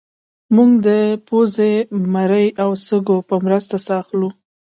موږ د پوزې مرۍ او سږو په مرسته ساه اخلو